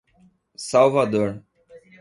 Salvador